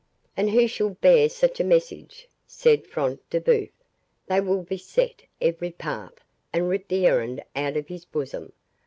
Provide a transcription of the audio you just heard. "And who shall bear such a message?" said Front de Bœuf; "they will beset every path, and rip the errand out of his bosom.